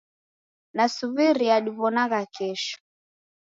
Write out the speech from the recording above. Nasuw'iria diw'onanagha kesho.